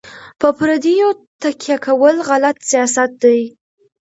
په پردیو تکیه کول غلط سیاست دی.